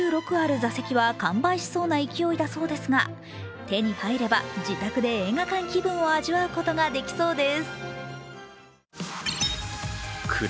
座席は完売しそうな勢いだそうですが手に入れば自宅で映画館気分を味わうことができそうです。